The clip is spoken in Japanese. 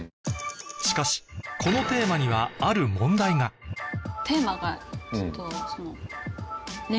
しかしこのテーマにはある問題がそこで。